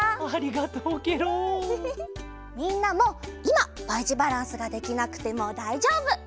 みんなもいまＹじバランスができなくてもだいじょうぶ！